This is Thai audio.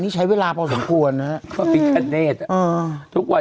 นี่ใช้เวลาพอสมควรนะฮะมันพลิกเลนส์อ่าทุกวันนี้ต้องเจน